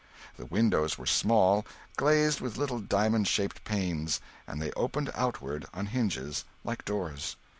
The windows were small, glazed with little diamond shaped panes, and they opened outward, on hinges, like doors.